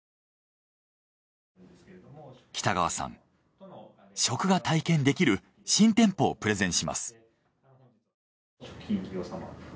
北川さん食が体験できる新店舗をプレゼンします。